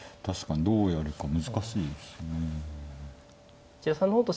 確かにどうやるか難しいですよね。